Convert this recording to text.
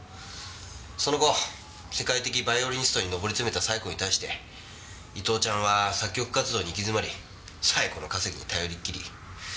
その後世界的ヴァイオリニストに上り詰めた冴子に対して伊東ちゃんは作曲活動に行き詰まり冴子の稼ぎに頼りっきり。